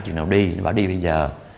chừng nào đi nó bảo đi bây giờ